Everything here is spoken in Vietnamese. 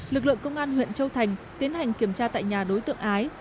lực lượng công an huyện châu thành tiến hành kiểm tra tại nhà đối tượng ái